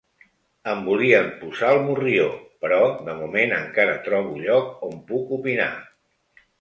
Em volien posar el morrió, però de moment encara trobo lloc on puc opinar.